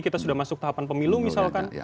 kita sudah masuk tahapan pemilu misalkan